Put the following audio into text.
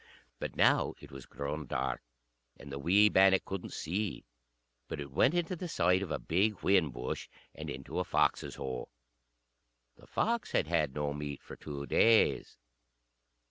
But now it was grown dark, and the wee bannock couldn't see; but it went into the side of a big whin bush, and into a fox's hole. The fox had had no meat for two days.